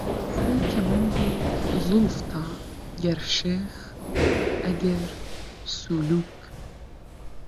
بەستەی کەمەندی زوڵفتە، گەر شێخ، ئەگەر سولووک